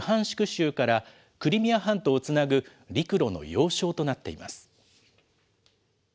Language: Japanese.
州から、クリミア半島をつなぐ陸路の要衝となっています。